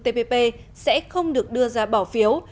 tpp sẽ không được đưa ra bỏ phiếu